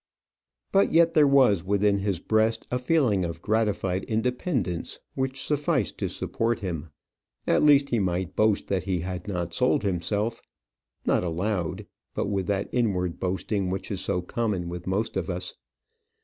But yet there was within his breast a feeling of gratified independence which sufficed to support him. At least he might boast that he had not sold himself; not aloud, but with that inward boasting which is so common with most of us.